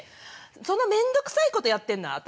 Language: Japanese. その面倒くさいことやってるのは私。